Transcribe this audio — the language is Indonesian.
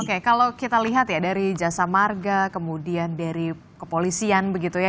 oke kalau kita lihat ya dari jasa marga kemudian dari kepolisian begitu ya